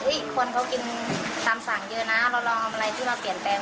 คนเขากินตามสั่งเยอะนะเราลองทำอะไรที่เราเปลี่ยนแปลง